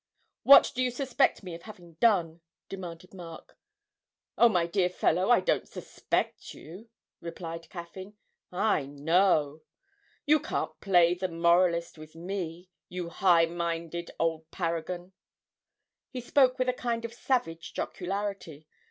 'What do you suspect me of having done?' demanded Mark. 'Oh, my dear fellow, I don't suspect you,' replied Caffyn, 'I know. You can't play the moralist with me, you high minded old paragon!' He spoke with a kind of savage jocularity.